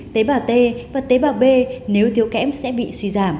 tế bào t và tế bào b nếu thiếu kém sẽ bị suy giảm